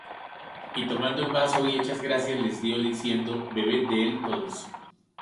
Y tomando el vaso, y hechas gracias, les dió, diciendo: Bebed de él todos;